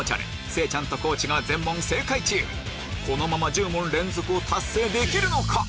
聖ちゃんと地が全問正解中このまま１０問連続を達成できるのか？